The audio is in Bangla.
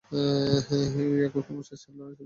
এই একই সমস্যা সেন্ট লরেন্স যাওয়ার পথেও হয়েছিলো।